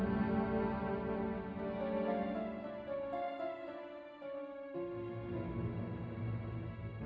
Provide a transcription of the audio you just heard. ya ya tentunya pak